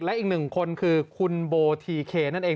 และอีกหนึ่งคนคือคุณโบทีเคนั่นเอง